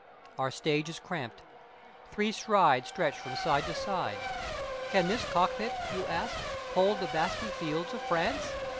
Our stage is cramped. Three strides stretch from side to side. "Can this cockpit" you ask, "hold the vasty fields of France?"